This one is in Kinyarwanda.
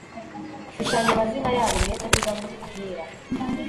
Shushanya amazina yabo meza niba muri ahera